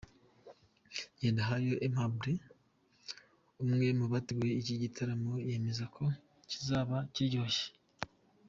Ngendahayo Aimable umwe mu bateguye iki gitaramo yemeza ko kizaba kiryoshye.